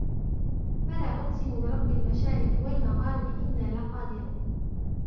فَلا أُقْسِمُ بِرَبِّ الْمَشَارِقِ وَالْمَغَارِبِ إِنَّا لَقَادِرُونَ